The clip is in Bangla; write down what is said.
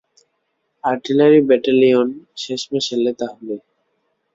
আর্টিলারি ব্যাটালিয়ন, শেষমেষ এলে তাহলে।